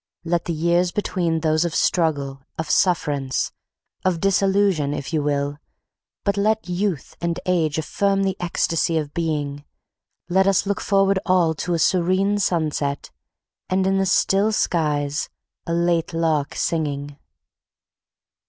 Let the years between be those of struggle, of sufferance of disillusion if you will; but let youth and age affirm the ecstasy of being. Let us look forward all to a serene sunset, and in the still skies "a late lark singing".